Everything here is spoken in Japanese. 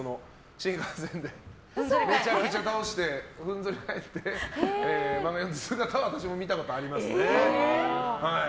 新幹線でめちゃくちゃ倒してふんぞり返って漫画読んでる姿は私も見たことありますね。